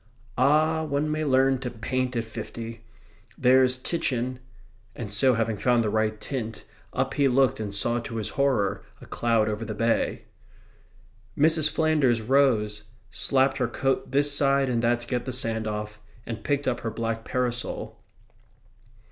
"Ah, one may learn to paint at fifty! There's Titian..." and so, having found the right tint, up he looked and saw to his horror a cloud over the bay. Mrs. Flanders rose, slapped her coat this side and that to get the sand off, and picked up her black parasol.